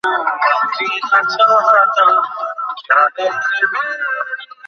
আমি বুড়ির কাছে যাবো।